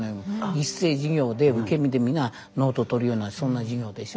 一斉授業で受け身で皆ノート取るようなそんな授業でしょ。